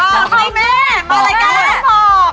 ก็ไม่หมอก